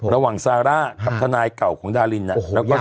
ระหว่างซาร่ากับทนายเก่าของดาริน